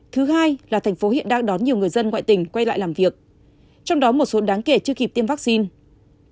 thứ hai là tp hcm hiện đang đón nhiều người dân ngoại tình quay lại làm việc trong đó một số đáng kể chưa kịp tiêm vaccine